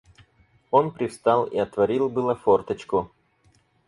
Он привстал и отворил было форточку.